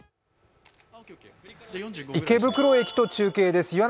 池袋駅と中継です